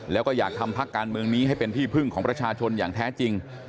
แล้วก็อยากทำพักการเมืองนี้ให้เป็นที่พึ่งของประชาชนอย่างแท้จริง